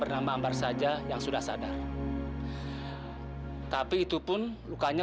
sampai jumpa di video selanjutnya